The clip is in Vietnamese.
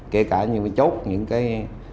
kể cả những chốt những cái